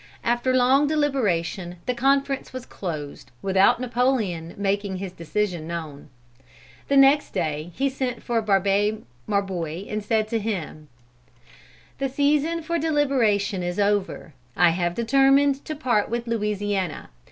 After long deliberation, the conference was closed, without Napoleon making known his decision. The next day he sent for Barbé Marbois, and said to him: "The season for deliberation is over. I have determined to part with Louisiana.